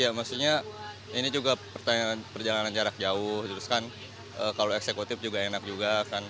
ya maksudnya ini juga perjalanan jarak jauh terus kan kalau eksekutif juga enak juga kan